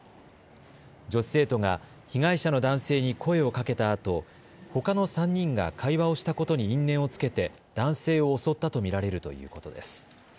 女子生徒が被害者の男性に声をかけたあとほかの３人が会話をしたことに因縁をつけて男性を襲ったと見られるということです。